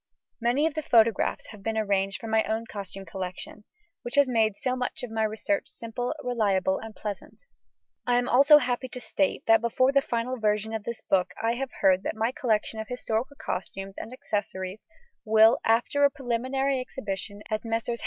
Many of the photographs have been arranged from my own costume collection, which has made so much of my research simple, reliable, and pleasant. I am also happy to state that before the final revision of this book I have heard that my collection of historical costumes and accessories will, after a preliminary exhibition at Messrs.